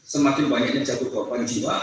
semakin banyaknya jatuh korban jiwa